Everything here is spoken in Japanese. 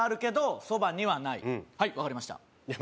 はい、分かりました。